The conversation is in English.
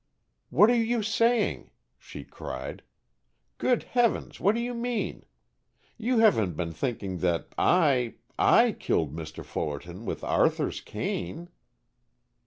"What are you saying?" she cried. "Good heavens, what do you mean? You haven't been thinking that I I killed Mr. Fullerton with Arthur's cane?"